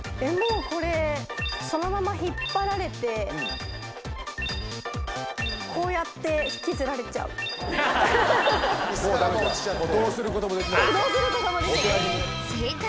もうこれそのまま引っ張られてこうやって引きずられちゃうどうすることもできない？